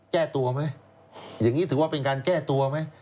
แก้ตัวไหมอย่างนี้ถือว่าเป็นการแก้ตัวไหม